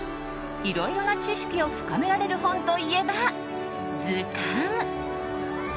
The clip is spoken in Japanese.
いろいろな知識を深められる本といえば図鑑。